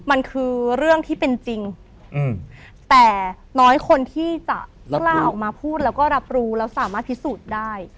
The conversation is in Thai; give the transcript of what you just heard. มันคือเรื่องที่เป็นจริงแต่น้อยคนที่จะต้องกล้าออกมาพูดแล้วก็รับรู้แล้วสามารถพิสูจน์ได้